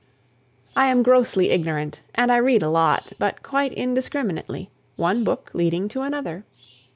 I am grossly ignorant and I read a lot, but quite indiscriminately, one book leading to another.